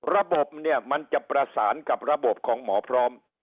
ระบบเนี่ยมันจะประสานกับระบบของหมอพร้อม